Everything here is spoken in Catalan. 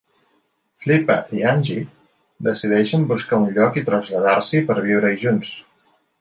Flipper i Angie decideixen buscar un lloc i traslladar-s'hi per viure-hi junts.